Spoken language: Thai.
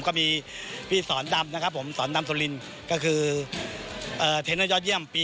ก็มีเจาะขามีเลี้ยวอ่ะครับก็เลี้ยวอยู่